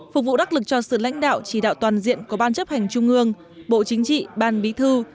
phục vụ đắc lực cho sự lãnh đạo chỉ đạo toàn diện của ban chấp hành trung ương bộ chính trị ban bí thư